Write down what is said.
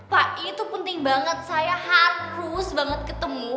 pak itu penting banget saya harus banget ketemu